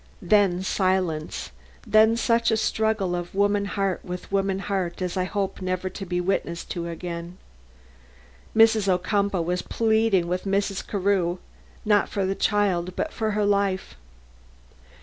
Then silence, then such a struggle of woman heart with woman heart as I hope never to be witness to again. Mrs. Ocumpaugh was pleading with Mrs. Carew, not for the child, but for her life.